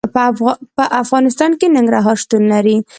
په افغانستان کې ننګرهار شتون لري.